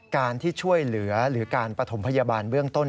การที่ช่วยเหลือหรือการปฐมพยาบาลเบื้องต้น